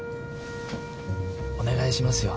お願いしますよ。